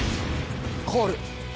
コール。